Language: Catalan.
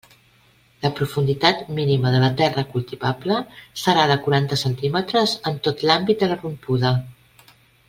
La profunditat mínima de la terra cultivable serà de quaranta centímetres en tot l'àmbit de la rompuda.